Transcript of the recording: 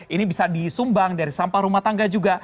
ini bisa disumbang dari sampah rumah tangga juga